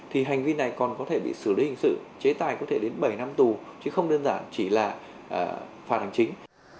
thì hành vi này còn có thể bị xử lý hình sự chế tài có thể đến bảy năm tù chứ không đơn giản chỉ là phạt hành chính